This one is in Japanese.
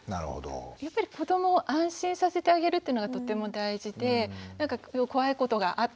やっぱり子どもを安心させてあげるっていうのがとても大事で何か怖いことがあったんだねとか。